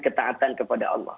ketaatan kepada allah